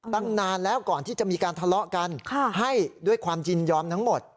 ตั้งนานแล้วก่อนที่จะมีการทะเลาะกันให้ด้วยความยินยอมทั้งหมด